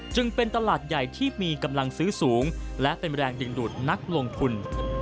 จึงเป็นตลาดใหญ่ที่มีกำลังซื้อสูงและเป็นแรงดึงดูดนักลงทุน